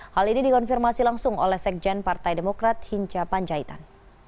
hal ini dikonfirmasi langsung oleh sekjen partai demokrat hinca panjaitan